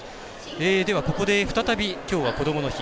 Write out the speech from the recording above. では、ここで再びきょうはこどもの日。